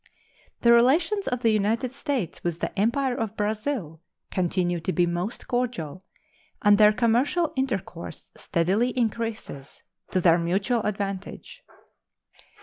The relations of the United States with the Empire of Brazil continue to be most cordial, and their commercial intercourse steadily increases, to their mutual advantage.